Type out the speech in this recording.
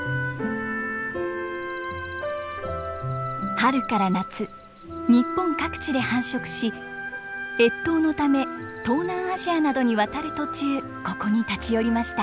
春から夏日本各地で繁殖し越冬のため東南アジアなどに渡る途中ここに立ち寄りました。